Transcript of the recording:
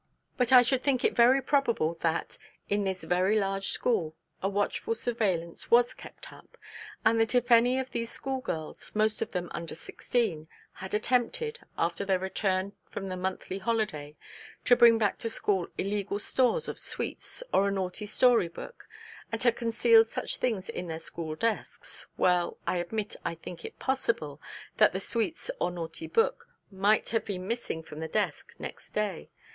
But I should think it very probable that, in this very large school, a watchful surveillance was kept up; and that if any of these schoolgirls, most of them under sixteen, had attempted, after their return from the monthly holiday, to bring back to school illegal stores of sweets, or a naughty story book, and had concealed such things in their school desks, well, I admit, I think it possible, that the sweets or naughty book might have been missing from the desk next day.